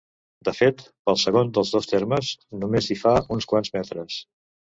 De fet, pel segon dels dos termes només hi fa uns quants metres.